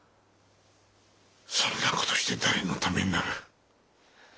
そんな事して誰のためになる？